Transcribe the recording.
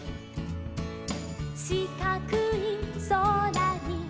「しかくいそらに」